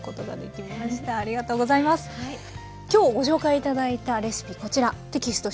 今日ご紹介頂いたレシピこちらテキスト